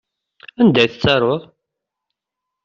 Anda i tettaruḍ?